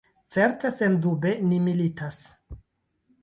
Certe, sendube, ni militas.